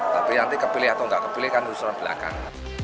tapi nanti kepilih atau nggak kepilih kan usulan belakang